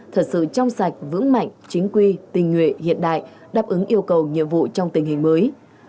thật sự trong sạch vững mạnh chính quy tình nguyện hiện đại đáp ứng yêu cầu nhiệm vụ trong tình hình mới